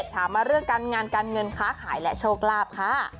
ถามมาเรื่องการงานการเงินค้าขายและโชคลาภค่ะ